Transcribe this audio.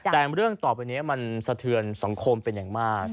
แต่เรื่องต่อไปนี้มันสะเทือนสังคมเป็นอย่างมาก